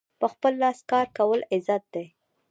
په خپل لاس کار کول عزت دی.